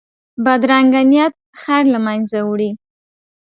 بدرنګه نیت خیر له منځه وړي